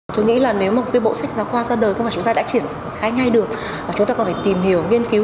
tôi nghĩ là nếu một bộ sách giáo khoa ra đời không phải chúng ta đã triển khai ngay được mà chúng ta còn phải tìm hiểu nghiên cứu